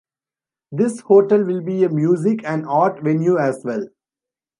This hotel will be a music and art venue as well.